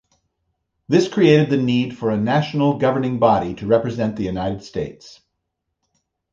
This created the need for a national governing body to represent the United States.